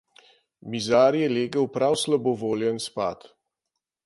Mizar je legel prav slabovoljen spat.